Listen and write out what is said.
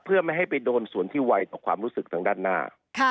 เพื่อไม่ให้ไปโดนส่วนที่ไวต่อความรู้สึกทางด้านหน้า